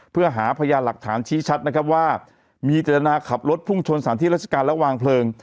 เพื่อหาพยานหลักฐานชี้ชัดนะครับว่ามีเจตนาขับรถพุ่งชนสถานที่ราชการและวางเพลิง